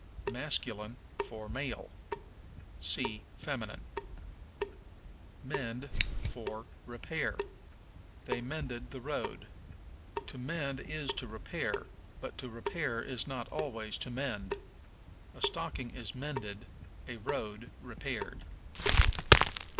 Masculine for Male. See Feminine. Mend for Repair. "They mended the road." To mend is to repair, but to repair is not always to mend. A stocking is mended, a road repaired.